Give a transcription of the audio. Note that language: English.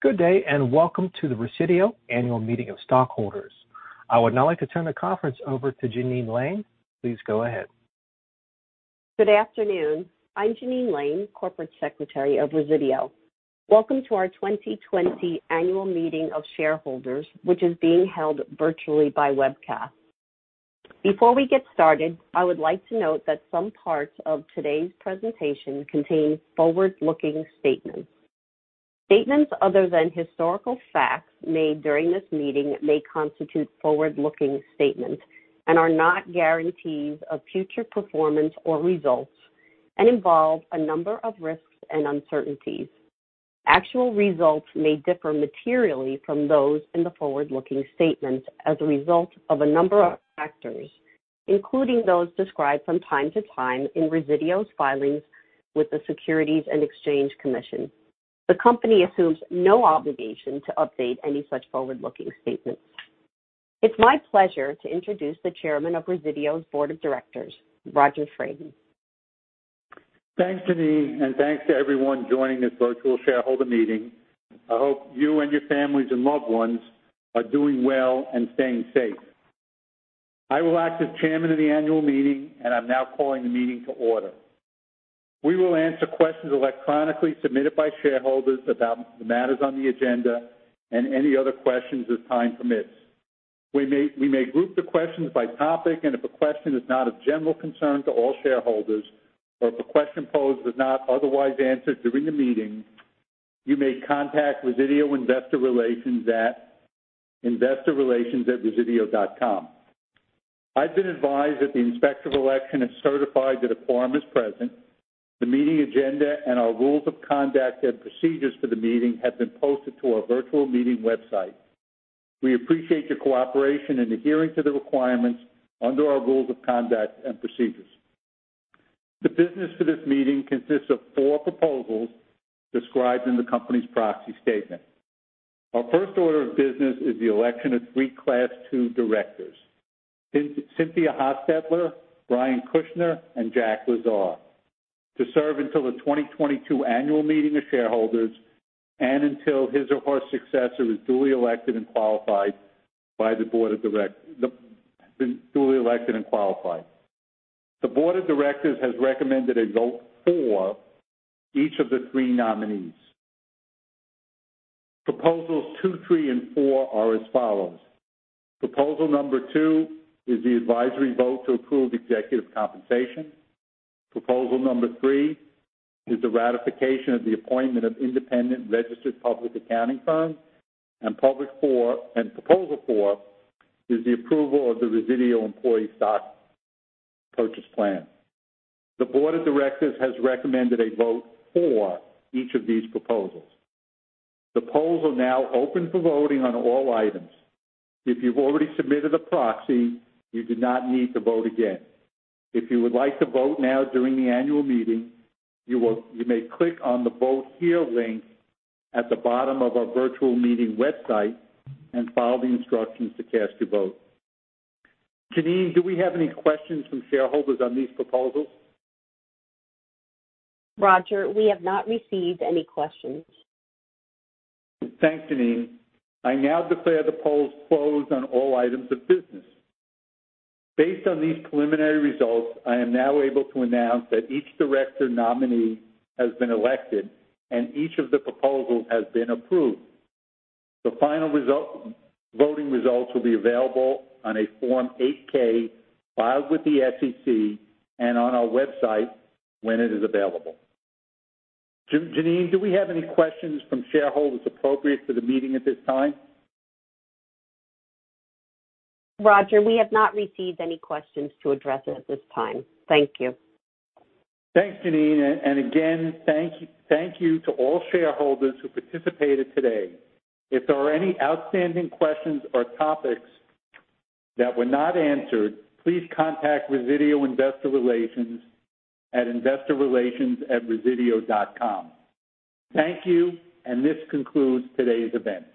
Good day. Welcome to the Resideo Annual Meeting of Stockholders. I would now like to turn the conference over to Jeannine Lane. Please go ahead. Good afternoon. I'm Jeannine Lane, Corporate Secretary of Resideo. Welcome to our 2020 annual meeting of shareholders, which is being held virtually by webcast. Before we get started, I would like to note that some parts of today's presentation contain forward-looking statements. Statements other than historical facts made during this meeting may constitute forward-looking statements and are not guarantees of future performance or results and involve a number of risks and uncertainties. Actual results may differ materially from those in the forward-looking statements as a result of a number of factors, including those described from time to time in Resideo's filings with the Securities and Exchange Commission. The company assumes no obligation to update any such forward-looking statements. It's my pleasure to introduce the Chairman of Resideo's Board of Directors, Roger Fradin. Thanks, Jeannine. Thanks to everyone joining this virtual shareholder meeting. I hope you and your families and loved ones are doing well and staying safe. I will act as Chairman of the annual meeting. I'm now calling the meeting to order. We will answer questions electronically submitted by shareholders about the matters on the agenda. Any other questions as time permits. We may group the questions by topic. If a question is not of general concern to all shareholders, or if a question posed is not otherwise answered during the meeting, you may contact Resideo Investor Relations at investorrelations@resideo.com. I've been advised that the inspector of election has certified that a quorum is present. The meeting agenda and our rules of conduct and procedures for the meeting have been posted to our virtual meeting website. We appreciate your cooperation in adhering to the requirements under our rules of conduct and procedures. The business for this meeting consists of four proposals described in the company's proxy statement. Our first order of business is the election of three Class 2 directors, Cynthia Hostetler, Brian Kushner, and Jack Lazar, to serve until the 2022 annual meeting of shareholders and until his or her successor is duly elected and qualified. The Board of Directors has recommended a vote for each of the three nominees. Proposals 2, 3, and 4 are as follows. Proposal number 2 is the advisory vote to approve executive compensation. Proposal number 3 is the ratification of the appointment of independent registered public accounting firms. Proposal 4 is the approval of the Resideo Employee Stock Purchase Plan. The Board of Directors has recommended a vote for each of these proposals. The polls are now open for voting on all items. If you've already submitted a proxy, you do not need to vote again. If you would like to vote now during the annual meeting, you may click on the Vote Here link at the bottom of our virtual meeting website and follow the instructions to cast your vote. Jeannine, do we have any questions from shareholders on these proposals? Roger, we have not received any questions. Thanks, Jeannine. I now declare the polls closed on all items of business. Based on these preliminary results, I am now able to announce that each director nominee has been elected and each of the proposals has been approved. The final voting results will be available on a Form 8-K filed with the SEC and on our website when it is available. Jeannine, do we have any questions from shareholders appropriate for the meeting at this time? Roger, we have not received any questions to address at this time. Thank you. Thanks, Jeannine. Again, thank you to all shareholders who participated today. If there are any outstanding questions or topics that were not answered, please contact Resideo Investor Relations at investorrelations@resideo.com. Thank you, and this concludes today's event.